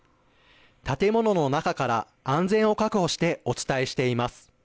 建物の中から安全を確保してお伝えしています。